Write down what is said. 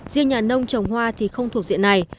riêng nhà nông trồng hoa thì không thuộc diện này